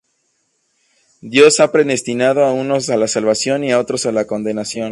Dios ha predestinado a unos a la salvación y a otros a la condenación.